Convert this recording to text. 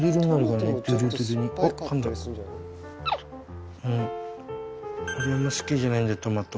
俺あんま好きじゃないんだトマト。